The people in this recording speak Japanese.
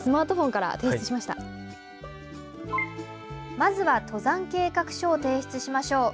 まずは登山計画書を提出しましょう。